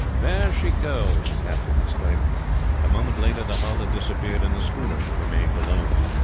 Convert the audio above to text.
"There she goes!" the captain exclaimed. A moment later the hull had disappeared, and the schooner remained alone.